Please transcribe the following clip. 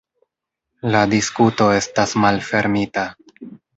La diskuto estas malfermita.